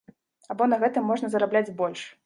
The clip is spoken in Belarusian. А бо на гэтым можна зарабляць больш.